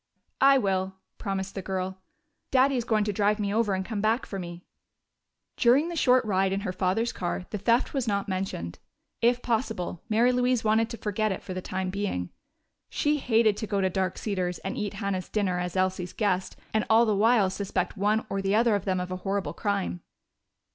"I will," promised the girl. "Daddy is going to drive me over and come back for me." During the short ride in her father's car the theft was not mentioned. If possible, Mary Louise wanted to forget it for the time being. She hated to go to Dark Cedars and eat Hannah's dinner as Elsie's guest and all the while suspect one or the other of them of a horrible crime.